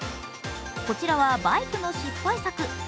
こちらはバイクの失敗作。